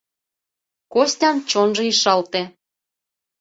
Костян чонжо ишалте.